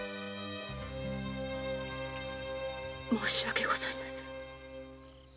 申し訳ございません。